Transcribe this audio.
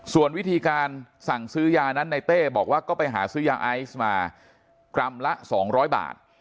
ส่วนวิธีการสั่งซื้อยานั้นในเต้บอกว่าก็ไปหาซื้อยาไอซ์มากรัมละ๒๐๐บาท